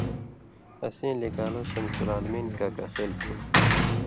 اسیں لِکان٘لو شمس العالمین کاکاخېل تُھو